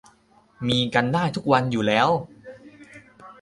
มีกันได้ทุกวันอยู่แล้ว